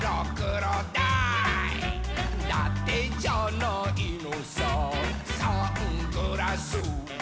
「だてじゃないのさサングラス」